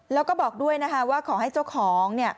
แล้วก็บอกด้วยนะคะว่าขอให้เจ้าของ